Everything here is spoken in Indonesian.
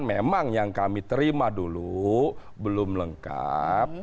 memang yang kami terima dulu belum lengkap